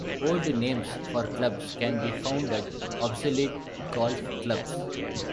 Old names for clubs can be found at Obsolete golf clubs.